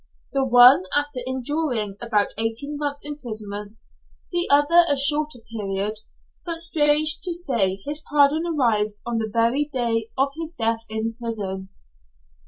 The one after enduring about eighteen months' imprisonment, the other a shorter period, but strange to say his pardon arrived on the very day of his death in prison.